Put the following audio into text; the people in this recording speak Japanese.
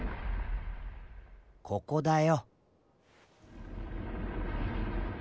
ここだよ。